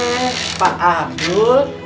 eh pak abdul